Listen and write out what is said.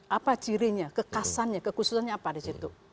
apa cirinya kekasannya kekhususannya apa di situ